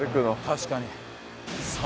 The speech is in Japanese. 確かに。